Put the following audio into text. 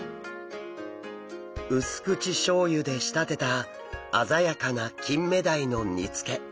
薄口しょう油で仕立てた鮮やかなキンメダイの煮つけ。